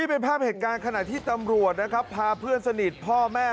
เป็นภาพเหตุการณ์ขณะที่ตำรวจนะครับพาเพื่อนสนิทพ่อแม่